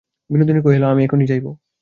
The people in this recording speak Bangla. বিনোদিনী কহিল, আমি এখনই যাইব।